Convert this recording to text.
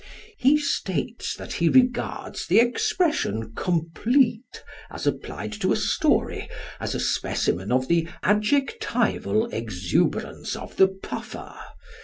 He states that he regards the expression "complete" as applied to a story, as a specimen of the "adjectival exuberance of the puffer."